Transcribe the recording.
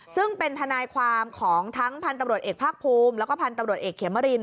ซึ่งเป็นทนายความของทั้งพันธุ์ตำรวจเอกภาคภูมิแล้วก็พันธุ์ตำรวจเอกเขมริน